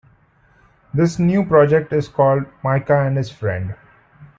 This new project is called "Micah and His Friend".